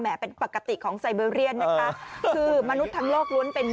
แหมเป็นปกติของนะคะคือมนุษย์ทั้งโลกล้วนเป็น